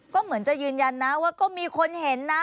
ก็เหมือนจะยืนยันนะว่าก็มีคนเห็นนะ